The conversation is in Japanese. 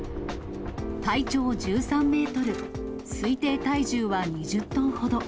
体長１３メートル、推定体重は２０トンほど。